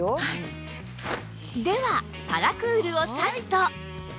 ではパラクールを差すと